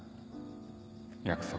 約束